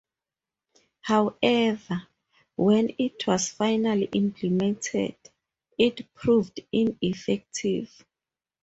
However, when it was finally implemented, it proved ineffective.